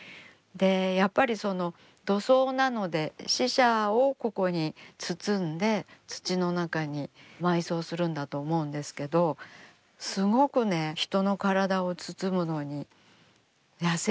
やっぱり土葬なので死者をここに包んで土の中に埋葬するんだと思うんですけどすごくね人の体を包むのに野性的な。